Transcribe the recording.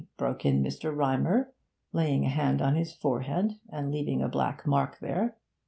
broke in Mr. Rymer, laying a hand on his forehead, and leaving a black mark there.